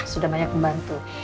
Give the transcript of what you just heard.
sudah banyak membantu